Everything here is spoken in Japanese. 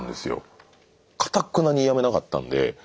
かたくなにやめなかったんで。